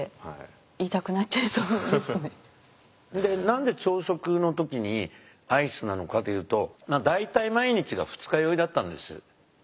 何で朝食の時にアイスなのかというと大体毎日が二日酔いだったんです。